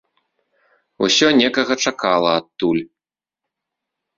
Усё некага чакала адтуль.